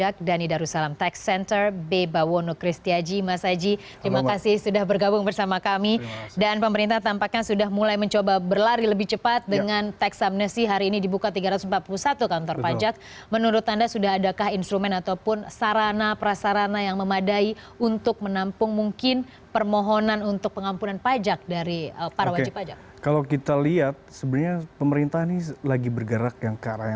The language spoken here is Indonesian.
kalau kita lihat sebenarnya pemerintah ini lagi bergerak ke arah yang tepat ya